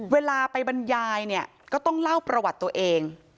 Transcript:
เวลาไปบรรยายเนี่ยก็ต้องเล่าประวัติตัวเอง